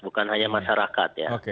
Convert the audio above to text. bukan hanya masyarakat ya